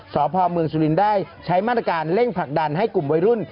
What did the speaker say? สพเมืองสุรินทร์ได้ใช้มาตรการเร่งผลักดันให้กลุ่มวัยรุ่น